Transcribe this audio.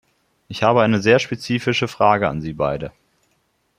Ich habe eine sehr spezifische Frage an Sie beide.